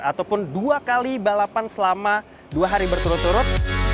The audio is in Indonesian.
ataupun dua kali balapan selama dua hari berturut turut